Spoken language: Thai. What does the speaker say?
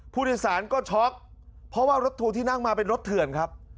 ผู้โดยสารก็ช็อกเพราะว่ารถทัวร์ที่นั่งมาเป็นรถเถื่อนครับ